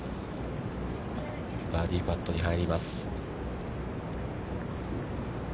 バーディーパットに入ります。